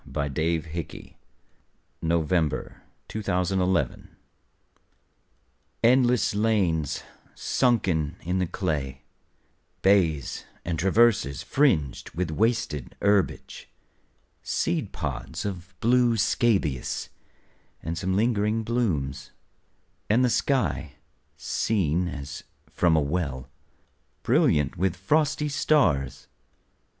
Frederic Manning THE TRENCHES ENDLESS lanes sunken in the clay, Bays, and traverses, fringed with wasted herbage, Seed pods of blue scabious, and some lingering blooms ; And the sky, seen as from a well, Brilliant with frosty stars.